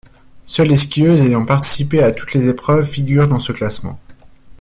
Seules les skieuses ayant participé à toutes les épreuves figurent dans ce classement.